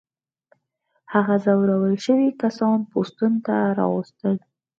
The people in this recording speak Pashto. هغه ځورول شوي کسان پوستونو ته راوستل.